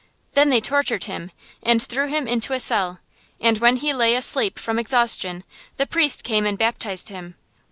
Then they tortured him, and threw him into a cell; and when he lay asleep from exhaustion, the priest came and baptized him.